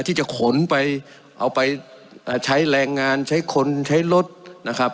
ที่จะขนไปเอาไปใช้แรงงานใช้คนใช้รถนะครับ